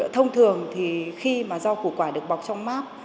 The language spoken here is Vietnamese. thông thường thì khi mà rau củ quả được bọc trong mát